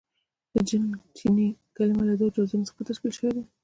• د جن چیني کلمه له دوو جزونو څخه تشکیل شوې ده.